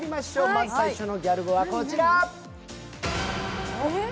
まず最初のギャル語はこちら。